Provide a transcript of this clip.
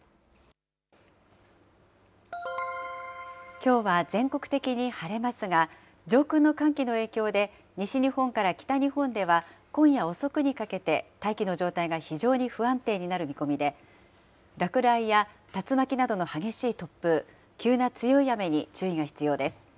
きょうは全国的に晴れますが、上空の寒気の影響で、西日本から北日本では今夜遅くにかけて大気の状態が非常に不安定になる見込みで、落雷や竜巻などの激しい突風、急な強い雨に注意が必要です。